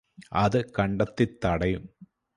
അത് കണ്ടെത്തി തടയും.